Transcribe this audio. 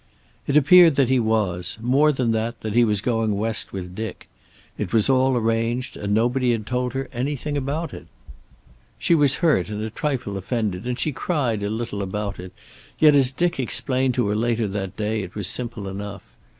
It appeared that he was. More than that, that he was going West with Dick. It was all arranged and nobody had told her anything about it. She was hurt and a trifle offended, and she cried a little about it. Yet, as Dick explained to her later that day, it was simple enough.